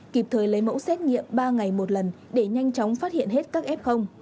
kịp thời lấy mẫu xét nghiệm ba ngày một lần để nhanh chóng phát hiện hết các f